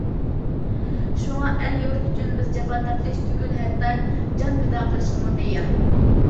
شۇڭا ئەل- يۇرت ئۈچۈن بىز جاپا تارتىش تۈگۈل ھەتتا جان پىدا قىلىشقىمۇ تەييار.